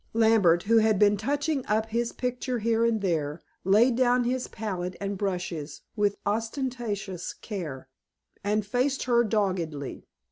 Lambert, who had been touching up his picture here and there, laid down his palette and brushes with ostentatious care, and faced her doggedly.